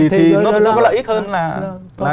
thì nó có lợi ích hơn là